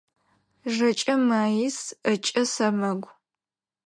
Жэкӏэ маис, ӏэкӏэ сэмэгу.